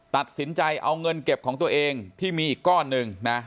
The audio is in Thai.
ตัดสินใจเอาเงินเก็บของตัวเองที่มีอีกก้อนหนึ่งนะ